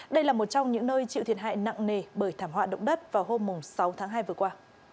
đây là một trong những nơi chịu thiệt hại nặng nề bởi thảm họa động đất vào hôm sáu tháng hai vừa qua